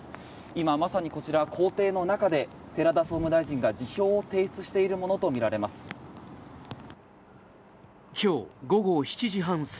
今、まさにこちら、公邸の中で寺田総務大臣が辞表を提出しているものとみられます。